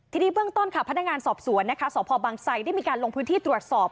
ทีนี้เบื้องต้นค่ะพนักงานสอบสวนนะคะสพบังไซได้มีการลงพื้นที่ตรวจสอบ